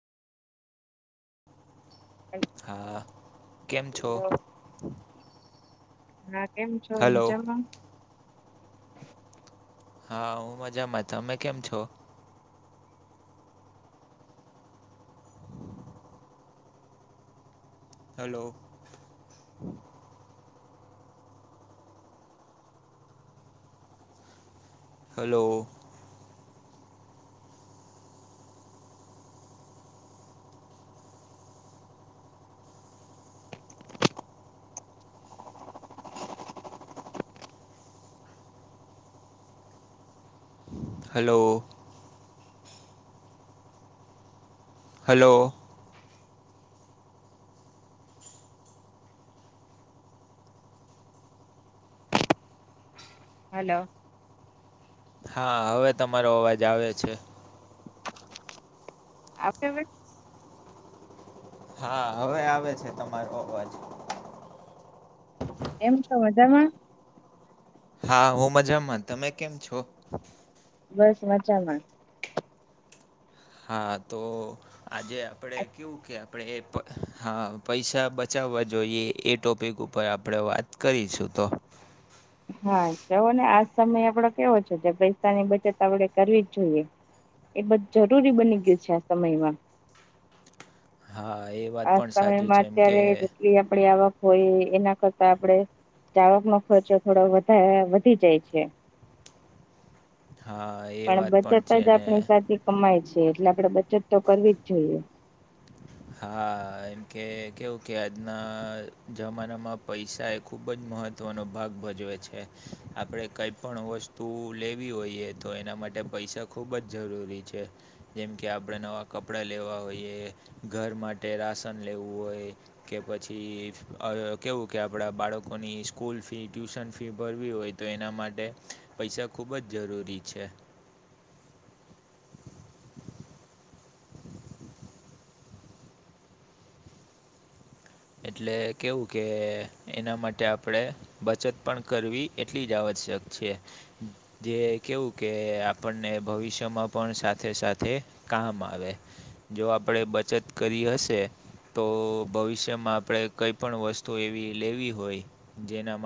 હા કેમ છો? ના કેમ છો હલો મજામાં. હા હું મજામાં તમે કેમ છો? Hello. Hello. Hello. Hello. [inaudible] Hello. હા હવે તમારો અવાજ આવે છે. આપણે હવે હા હવે આવે છે તમારો અવાજ. કેમ છો મજામાં? હા હું મજામાં તમે કેમ છો? બસ મજામાં. હા તો આજે આપણેે કેવું કે આપણેે હા પૈસા બચાવવા જોઈએ એ ટોપિક ઉપ પર આપણે વાત કરીશું તો હા જવો ને આ સમયે આપડો કેવો છે જે પૈસાની બચત આપડે કરવી જ જોઈએ. એ બધું જરૂરી બની ગયું છે આ સમયમાં હા એ વાત આ પણ સાચી સમયમાં છે એમ કે અત્યારે જેટલી આપડી આવક હોય એના કરતા આપડે ચાવાક નો ખર્ચો થોડો વધારે વધી જાય છે. હા. એ પણ વાત બચત છે જ ને આપણી સાથે કમાય છે એટલે આપણેે બચત તો કરવી જ જોઈએ. હ. હા એમ કે કેવું કે આજના જમાનામાં પૈસા એક ખૂબ જ મહત્ત્વનો ભાગ ભજવે છે આપણે કંઈ પણ વસ્તુ લેવી હોઈએ. તો એના માટે પૈસા ખૂબ જ જરૂરી છે. જેમ કે આપણે નવા કપડાં લેવા હોઈએ ઘર માટે રાશન લેવું હોય. કે પછી કેવું કે આપણા બાળકોની સ્કૂલ ફી ટ્યુશન ફી ભરવી હોય. તો એના માટે પૈસા ખૂબ જ જરૂરી છે. એટલે કેવું કે એના માટે આપણેે. બચત પણ કરવી એટલી જ આવશ્યક છે. જે કેવું કે આપણને ભવિષ્યમાં પણ સાથે સાથે કામ આવે જો આપણેે બચત કરી હશે તો ભવિષ્ય જેમાં આપણે કંઈ પણ વસ્તુ એવી લેવી હોય જેનામાં